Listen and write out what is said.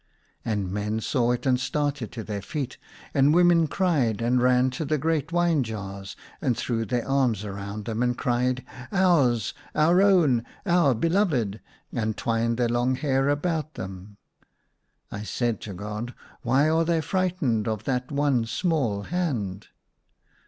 And men saw it and started to their feet ; and women cried, and ran to the great wine jars, and threw their arms around them, and cried, " Ours, our own, our beloved !" and twined their long hair about them. I said to God, " Why are they fright ened of that one small hand